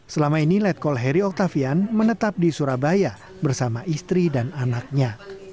selama ini letkol heri oktavian menetap di surabaya bersama istri dan anaknya